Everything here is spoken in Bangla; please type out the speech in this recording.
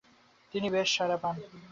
তিনি বেশ সাড়া পান।